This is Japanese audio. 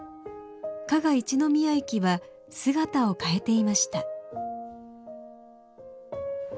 加賀一の宮駅は姿を変えていました。